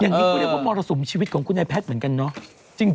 อย่างนี้ก็เรียกว่ามรสุมชีวิตของคุณนายแพทย์เหมือนกันเนาะ